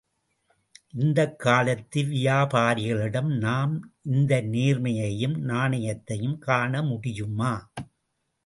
இந்தக் காலத்து வியாபாரிகளிடம் நாம் இந்த நேர்மையையும், நாணயத்தையும் காண முடியுமா?